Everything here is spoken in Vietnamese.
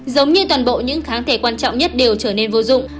giống như toàn bộ những kháng thể quan trọng nhất đều trở nên vô dụng